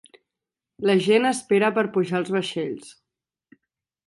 La gent espera per pujar als vaixells.